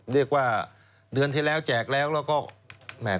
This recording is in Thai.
เรียกว่าเดือนที่แล้วแจกแล้วก็คนขอเยอะ